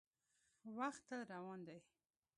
• وخت تل روان دی.